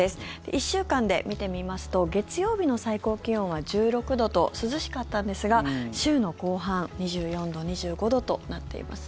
１週間で見てみますと月曜日の最高気温は１６度と涼しかったんですが週の後半２４度、２５度となっています。